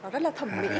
rất là thẩm mỹ